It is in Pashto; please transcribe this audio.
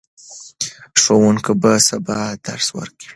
ښوونکي به سبا درس ورکوي.